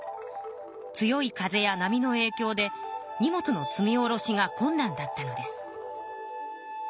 強い風や波のえいきょうで荷物の積みおろしがこんなんだったのです。